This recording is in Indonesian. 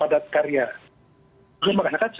diganti dengan padat karya